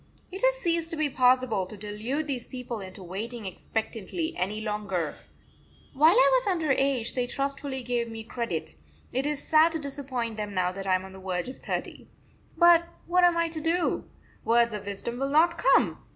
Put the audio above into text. It has ceased to be possible to delude these people into waiting expectantly any longer. While I was under age they trustfully gave me credit; it is sad to disappoint them now that I am on the verge of thirty. But what am I to do? Words of wisdom will not come!